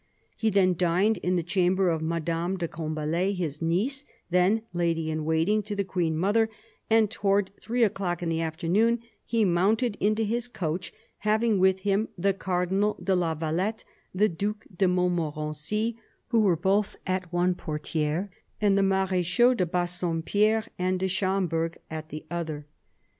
" He then dined in the chamber of Madame de Combalet, his niece, then lady in waiting to the Queen mother, and towards three o'clock in the after noon he mounted into his coach, having with him the Cardinal de la Valette and the Due de Montmorency, who were both at one portiere, and the Marechaux de Bassompierre and de Schomberg at the other.